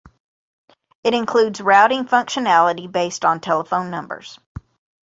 It includes routing functionality based on telephone numbers.